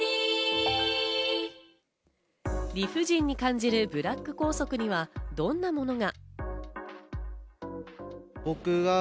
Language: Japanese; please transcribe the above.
理不尽に感じるブラック校則にはどんなものが。